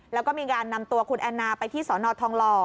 แล้วก็มีการนำตัวคุณแอนนาไปที่สนทองหล่อ